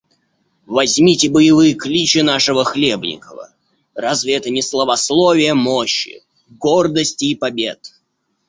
Возьмите боевые кличи нашего Хлебникова, разве это не славословие мощи, гордости и побед?